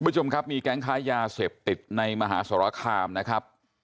คุณผู้ชมครับมีแก๊งค้ายาเสพติดในมหาสรคามนะครับ